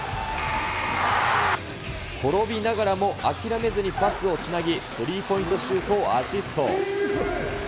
転びながらも諦めずにパスをつなぎ、スリーポイントシュートをアシスト。